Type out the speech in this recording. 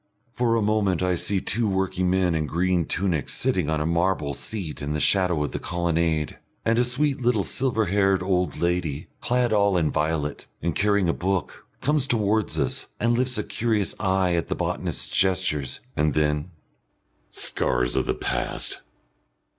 For a moment I see two working men in green tunics sitting on a marble seat in the shadow of the colonnade, and a sweet little silver haired old lady, clad all in violet, and carrying a book, comes towards us, and lifts a curious eye at the botanist's gestures. And then "Scars of the past!